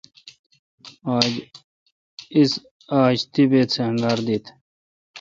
اس آج طیبیت سہ انگار دیت۔